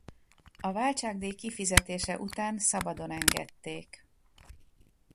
A váltságdíj kifizetése után szabadon engedték.